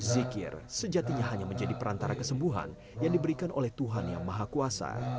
zikir sejatinya hanya menjadi perantara kesembuhan yang diberikan oleh tuhan yang maha kuasa